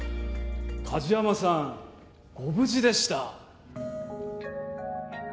梶山さんご無事でした